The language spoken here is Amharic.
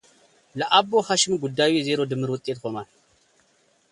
ለአቦ ሓሽም ጉዳዩ የዜሮ ድምር ውጤት ሆኗል።